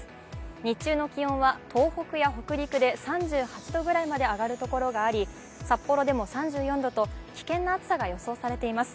日中の気温は東北や北陸で３８度くらいまで上がるところがあり札幌でも３４度と危険な暑さが予想されています